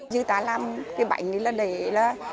chúng ta làm cái bánh này là để là